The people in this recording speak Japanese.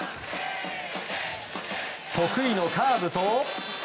得意のカーブと。